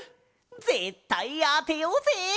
ぜったいあてようぜ！